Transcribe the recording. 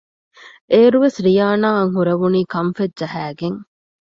އޭރުވެސް ރިޔާނާ އަށް ހުރެވުނީ ކަންފަތް ޖަހައިގެން